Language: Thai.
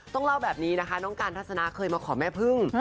ต้องเล่าแบบนี้นะคะน้องการทัศนาเคยมาขอแม่พึ่ง